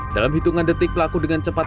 dalam hitungan detik pelaku dengan cepat